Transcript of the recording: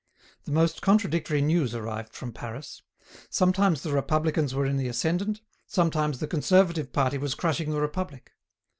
The most contradictory news arrived from Paris; sometimes the Republicans were in the ascendant, sometimes the Conservative party was crushing the Republic.